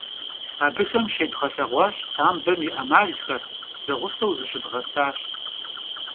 Abıxem şêdğelheğuaş sambem yi 'emalxer, zeğuseu zışıdğesaş.